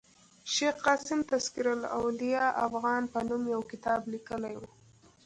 شېخ قاسم تذکرة الاولياء افغان په نوم یو کتاب لیکلی ؤ.